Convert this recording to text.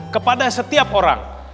kepada setiap orang